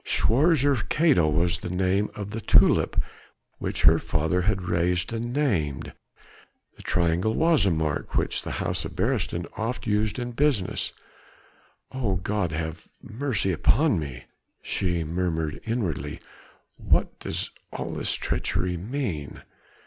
Schwarzer Kato was the name of the tulip which her father had raised and named: the triangle was a mark which the house of Beresteyn oft used in business. "O God, have mercy upon me!" she murmured inwardly, "what does all this treachery mean?"